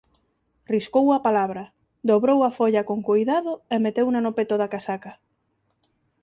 Riscou a palabra, dobrou a folla con coidado e meteuna no peto da casaca…